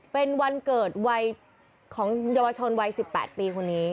เป็นวันเกิดวัยของเยาวชนวัย๑๘ปีคนนี้